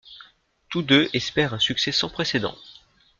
Tous deux espèrent un succès sans précédent.